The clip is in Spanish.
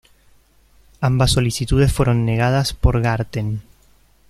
Ambas solicitudes fueron negadas por Garten.